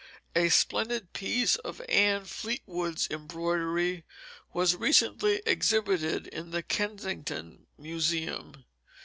A splendid piece of Anne Fleetwood's embroidery was recently exhibited in the Kensington Museum.